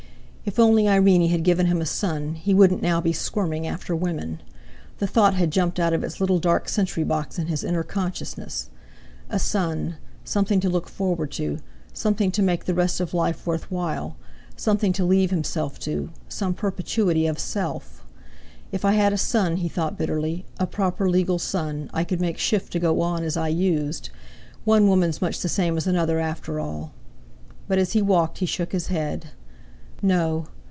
If only Irene had given him a son, he wouldn't now be squirming after women! The thought had jumped out of its little dark sentry box in his inner consciousness. A son—something to look forward to, something to make the rest of life worth while, something to leave himself to, some perpetuity of self. "If I had a son," he thought bitterly, "a proper legal son, I could make shift to go on as I used. One woman's much the same as another, after all." But as he walked he shook his head. No!